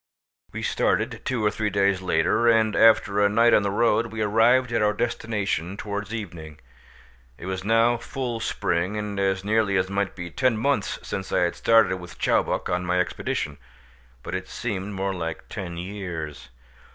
We started two or three days later, and after a night on the road, we arrived at our destination towards evening. It was now full spring, and as nearly as might be ten months since I had started with Chowbok on my expedition, but it seemed more like ten years.